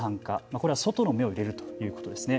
これは外の目を入れるということですね。